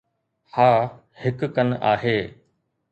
ها، هڪ ڪن آهي